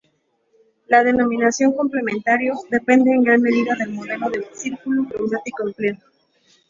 La denominación "complementario" depende en gran medida del modelo de círculo cromático empleado.